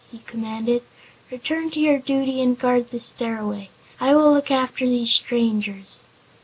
he commanded. "Return to your duty and guard the Stairway. I will look after these strangers."